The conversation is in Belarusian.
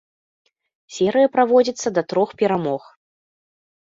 Серыя праводзіцца да трох перамог.